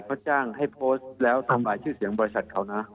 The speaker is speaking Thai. เขาจ้างให้โพสต์แล้วทำลายชื่อเสียงบริษัทเขานะ